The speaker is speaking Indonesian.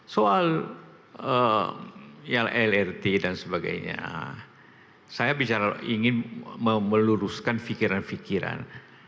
soal lrt dan sebagainya saya bicara ingin meluruskan pikiran pikiran